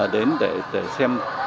đến để xem